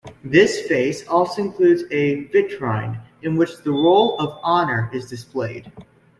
This face also includes a vitrine in which the Roll of Honour is displayed.